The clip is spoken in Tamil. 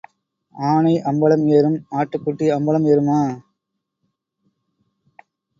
ஆனை அம்பலம் ஏறும் ஆட்டுக்குட்டி அம்பலம் ஏறுமா?